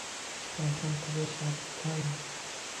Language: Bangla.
এখন থেকে সাবধান।